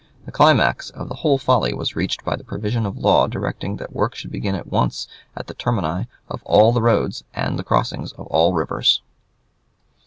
The climax of the whole folly was reached by the provision of law directing that work should be begun at once at the termini of all the roads and the crossings of all rivers.